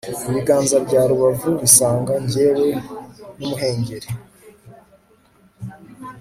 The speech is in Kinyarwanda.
Ibiganza bya rubavu bisanga Njyewe numuhengeri